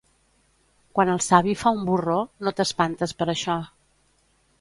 Quan el savi fa un «borró», no t'espantes per això.